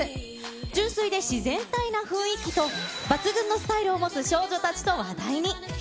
純粋で自然体な雰囲気と、抜群のスタイルを持つ少女たちと、話題に。